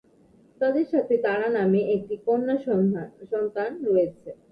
তাদের একসাথে তারা নামে একটি কন্যা সন্তান রয়েছে।